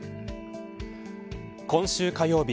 今週火曜日